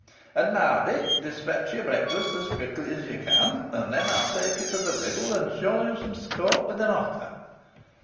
"And now, Dick, dispatch your breakfast as quickly as you can, and then I will take you to the Ribble, and show you some sport with an otter."